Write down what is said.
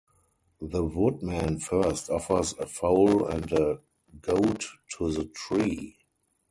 The woodman first offers a fowl and a goat to the tree.